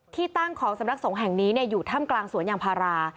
ที่ตั้งของสำนักสงฆ์แห่งนี้อยู่ถ้ำกลางสวนยางพารา